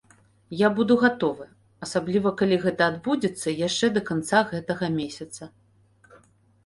Я буду гатовы, асабліва калі гэта адбудзецца яшчэ да канца гэтага месяца.